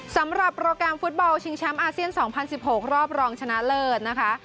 สำหรับโปรแกรมฟุตบอลชิงแชมป์อาเซียน๒๐๑๖รอบรองชนะเลิศนะคะ